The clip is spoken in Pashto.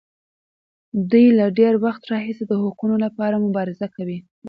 دوی له ډېر وخت راهیسې د حقونو لپاره مبارزه کوي.